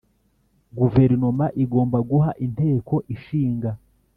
Guverinoma igomba guha Inteko Ishinga